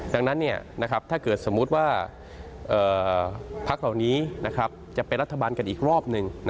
ดังนั้นถ้าเกิดสมมุติว่าพักเหล่านี้จะเป็นรัฐบาลกันอีกรอบหนึ่ง